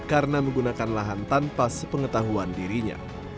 karena menggunakan lahan tanpa sepengetahuan dirinya